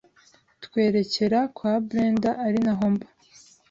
twerekera kwa Brendah ari naho mba